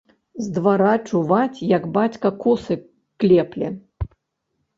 З двара чуваць, як бацька косы клепле.